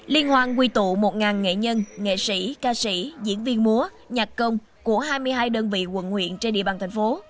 liên hoan quy tụ một nghệ nhân nghệ sĩ ca sĩ diễn viên múa nhạc công của hai mươi hai đơn vị quận huyện trên địa bàn thành phố